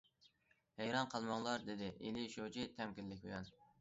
- ھەيران قالماڭلار،- دېدى ئېلى شۇجى تەمكىنلىك بىلەن.